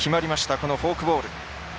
このフォークボール。